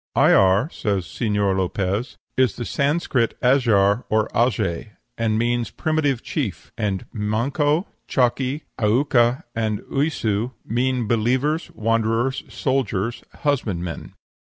"Ayar," says Señor Lopez, "is the Sanscrit Ajar, or aje, and means primitive chief; and manco, chaki, aucca, and uyssu, mean believers, wanderers, soldiers, husbandmen.